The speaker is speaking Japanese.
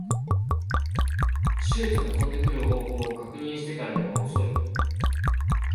シュートが飛んでくる方向を確認してからでは遅い